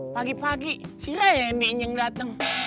pagi pagi si randy ini yang datang